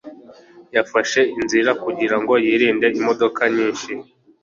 Yafashe inzira kugira ngo yirinde imodoka nyinshi.